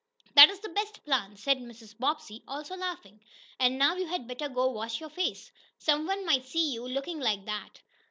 "That's the best plan," said Mrs. Bobbsey, also laughing. "And now you had better go wash your face. Some one might see you looking like that."